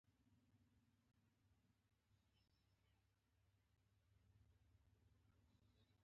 آریانا په قباله زموږ د نیکو ده